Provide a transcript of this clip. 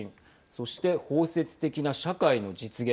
そして、包摂的な社会の実現。